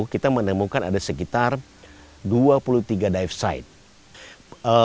kita menemukan ada sekitar dua puluh tiga dive site